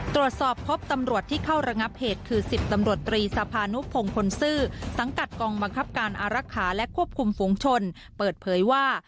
ตรวจสอบพบตำรวจที่เข้าระงับเหตุคือ๑๐ตำรวจตรีสภานุพงพลซื่อสังกัดกองบังคับการอารักษาและควบคุมฝูงชนเปิดเผยว่า